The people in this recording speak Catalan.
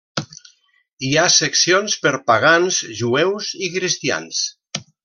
Hi ha seccions per pagans, jueus i cristians.